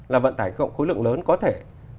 là vận tải cộng khối lượng lớn có thể